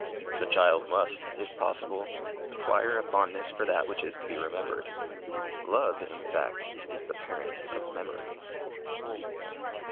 The child must, if possible, acquire a fondness for that which is to be remembered. Love, in fact, is the parent of memory.